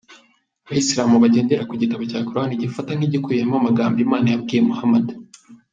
Abayisilamu bagendera ku gitabo cya Korowani gifatwa nk’igikubiyemo amagambo Imana yabwiye Muhammad.